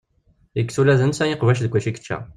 Yekkes ula d netta iqbac deg wacu i yečča.